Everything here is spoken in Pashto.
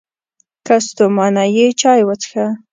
که ستومانه یې، چای وڅښه!